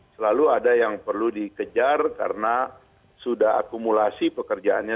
selalu ada yang perlu dikejar karena sudah akumulasi pekerjaannya